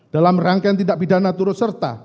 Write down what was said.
dalam rangkaian tindak pidana turut serta